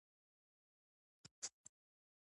انسان په تاوان اړوي.